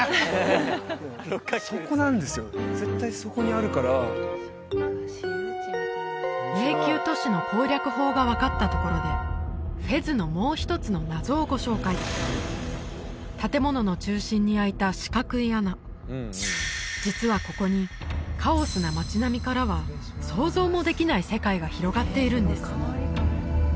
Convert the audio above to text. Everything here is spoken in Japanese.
そこなんですよ絶対そこにあるから迷宮都市の攻略法が分かったところでフェズのもう一つの謎をご紹介建物の中心にあいた四角い穴実はここにカオスな街並みからは想像もできない世界が広がっているんです